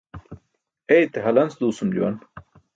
Eite halance duusum juwan.